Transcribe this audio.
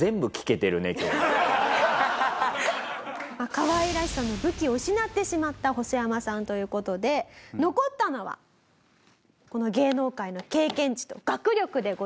かわいらしさの武器を失ってしまったホソヤマさんという事で残ったのはこの芸能界の経験値と学力でございます。